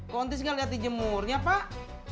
kok tis gak liat dijemurnya pak